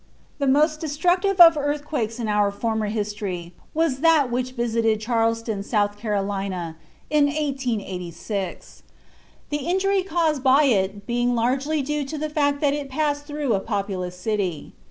The most destructive of earthquakes in our former history was that which visited Charleston, South Carolina, in 1886, the injury caused by it being largely due to the fact that it passed through a populous city.